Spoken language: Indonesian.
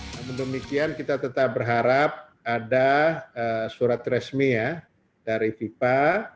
namun demikian kita tetap berharap ada surat resmi ya dari fifa